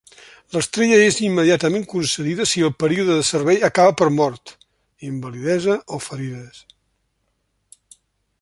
L'estrella és immediatament concedida si el període de servei acaba per mort, invalidesa o ferides.